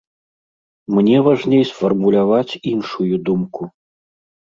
Мне важней сфармуляваць іншую думку.